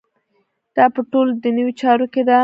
دا په ټولو دنیوي چارو کې ده.